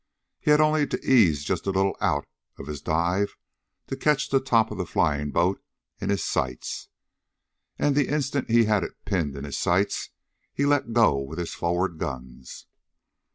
He had only to ease just a little out of his dive to catch the top of the flying boat in his sights. And the instant he had it pinned in his sights he let go with his forward guns.